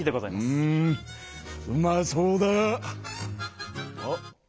うまそうだ！あっ。